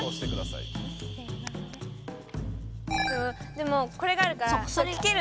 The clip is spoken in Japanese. でもこれがあるから聞ける。